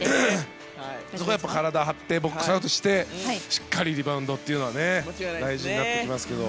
そこはやっぱり体を張ってボックスアウトしてしっかりリバウンドというのは大事になってきますけど。